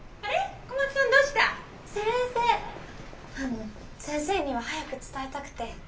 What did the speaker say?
あの先生には早く伝えたくて。